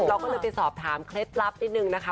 เราก็เลยไปสอบถามเคล็ดลับนิดนึงนะคะ